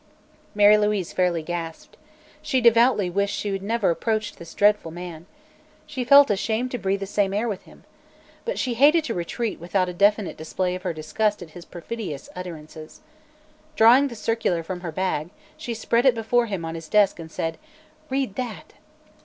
Mary Louise fairly gasped. She devoutly wished she had never approached this dreadful man. She felt ashamed to breathe the same air with him. But she hated to retreat without a definite display of her disgust at his perfidious utterances. Drawing the circular from her bag she spread it before him on his desk and said: "Read that!"